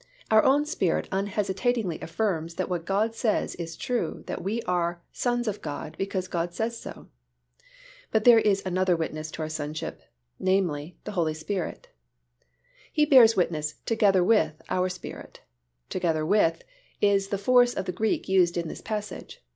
Our own spirit unhesitatingly affirms that what God says is true that we are sons of God because God says so. But there is another witness to our sonship, namely, the Holy Spirit. He bears witness together with our spirit. "Together with" is the force of the Greek used in this passage.